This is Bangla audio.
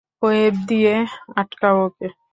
ওয়েব দিয়ে আটকাও ওকে।